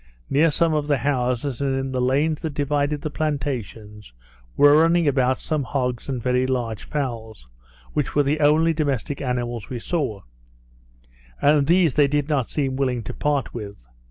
Near some of the houses, and in the lanes that divided the plantations, were running about some hogs and very large fowls, which were the only domestic animals we saw; and these they did not seem willing to part with.